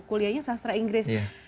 kuliahnya sastra inggris